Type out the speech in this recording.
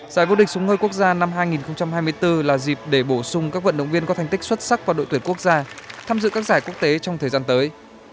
giải vô địch súng hơi quốc gia năm hai nghìn hai mươi bốn là dịp để bổ sung các vận động viên có thành tích xuất sắc vào đội tuyển quốc gia tham dự các giải quốc tế trong thời gian tới